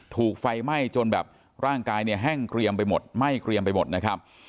ถูกไฟไหม้จนแบบร่างกายเนี่ยแห้งเกรียมไปหมดไหม้เกรียมไปหมดนะครับ